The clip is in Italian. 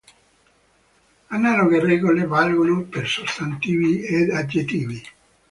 Analoghe regole valgono per sostantivi ed aggettivi.